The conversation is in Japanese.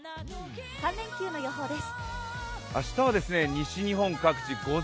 ３連休の予報です。